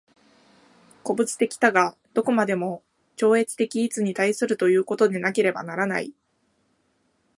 個物的多が何処までも超越的一に対するということでなければならない。